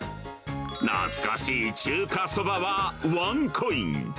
懐かしい中華そばはワンコイン。